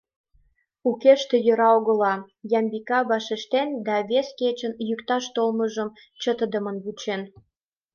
— Укеште йӧра огыла, — Ямбика вашештен да вес качын йӱкташ толмыжым чытыдымын вучен.